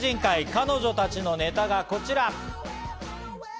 彼女たちのネタがこちら。